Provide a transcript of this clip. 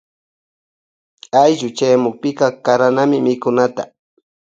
Ayllu chayamukpika karanami mikunata.